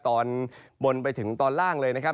ตอนบนไปถึงตอนล่างเลยนะครับ